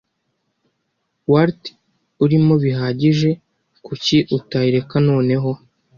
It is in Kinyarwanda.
Walt urimo bihagije, kuki utayireka noneho?